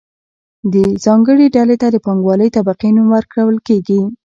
دې ځانګړې ډلې ته د پانګوالې طبقې نوم ورکول کیږي.